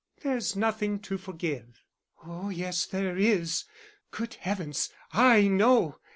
"There is nothing to forgive." "Oh, yes, there is. Good heavens, I know!